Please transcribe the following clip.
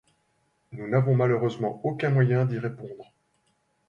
Nous n'avons malheureusement aucun moyen d'y répondre.